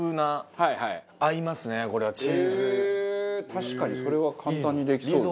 確かにそれは簡単にできそう。